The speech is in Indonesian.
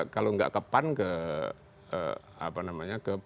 kalau nggak ke pan ke